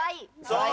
そう。